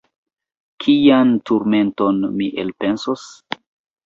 Kian turmenton mi elpensos?